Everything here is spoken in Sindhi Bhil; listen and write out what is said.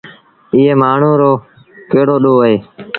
ايٚئي مآڻهوٚٚ رو ڪهڙو ڏوه اهي؟